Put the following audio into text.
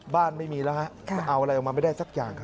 บ้านไม่มีแล้วฮะจะเอาอะไรออกมาไม่ได้สักอย่าง